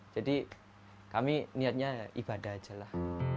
jadi kami niatnya ibadah saja lah